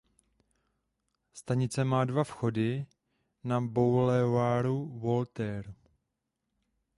Stanice má dva vchody na "Boulevardu Voltaire".